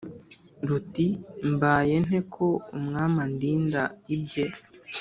ruti:" mbaye nte ko umwami andinda ibye,